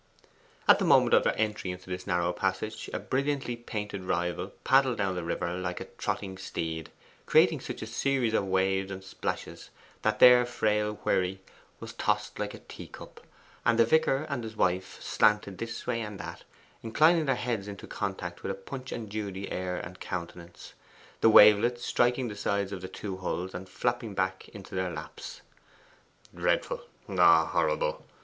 At the moment of their entry into this narrow passage, a brilliantly painted rival paddled down the river like a trotting steed, creating such a series of waves and splashes that their frail wherry was tossed like a teacup, and the vicar and his wife slanted this way and that, inclining their heads into contact with a Punch and Judy air and countenance, the wavelets striking the sides of the two hulls, and flapping back into their laps. 'Dreadful! horrible!